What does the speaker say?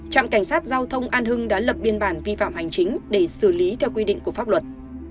trạm cảnh sát giao thông an hưng đã lập biên bản vi phạm hành chính để xử lý theo quy định của pháp luật